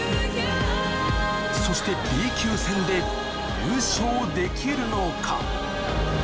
そしてＢ級戦で優勝できるのか！？